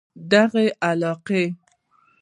د دغه علاقې